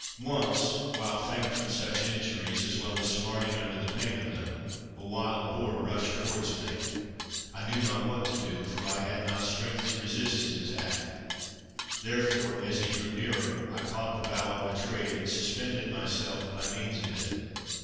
Once, while faint from such injuries, as well as smarting under the pain of them, a wild boar rushed towards me. I knew not what to do, for I had not strength to resist his attack; therefore, as he drew nearer, I caught the bough of a tree, and suspended myself by means of it.